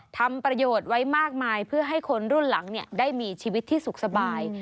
ทำประโยชน์ไว้มากมายเพื่อให้คนรุ่นหลังได้มีชีวิตที่สุขสบาย